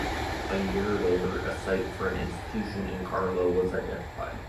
A year later, a site for an institution in Carlow was identified.